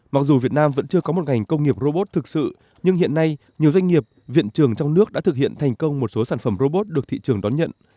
mặc dù việt nam vẫn chưa có một ngành công nghiệp robot thực sự nhưng hiện nay nhiều doanh nghiệp viện trường trong nước đã thực hiện thành công một số sản phẩm robot được thị trường đón nhận